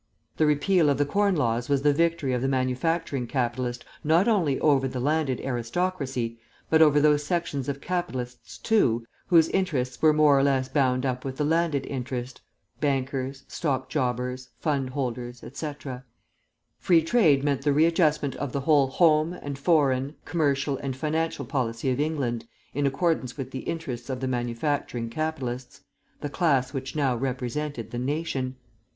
The repeal of the Corn Laws was the victory of the manufacturing capitalist not only over the landed aristocracy, but over those sections of capitalists, too, whose interests were more or less bound up with the landed interest, bankers, stock jobbers, fund holders, etc. Free Trade meant the re adjustment of the whole home and foreign, commercial and financial policy of England in accordance with the interests of the manufacturing capitalists the class which now represented the nation.